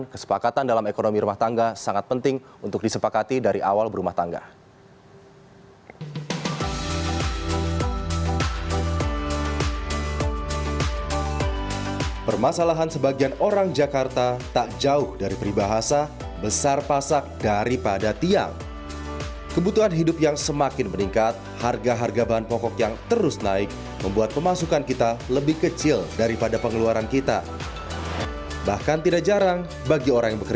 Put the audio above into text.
kesepakatan dalam ekonomi rumah tangga sangat penting untuk disepakati dari awal berumah tangga